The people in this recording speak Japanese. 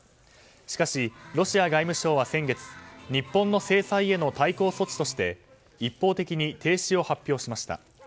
しかし、ロシア外務省は先月日本の制裁への対抗措置として一方的に停止を発表しました。